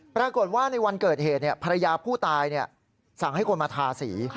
ปรากฏว่าในวันเกิดเหตุภรรยาผู้ตายสั่งให้คนมาทาสี